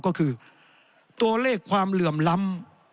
ก็คือตัวเลขความเหลื่อมล้ำ